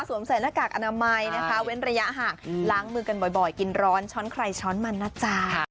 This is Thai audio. สวมใส่ละกากอนามัยเว้นระยะห่างล้างมือกันบ่อยกินร้อนช้อนไคร่ช้อนมันนะจ้า